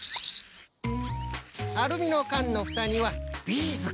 アルミのかんのふたにはビーズか。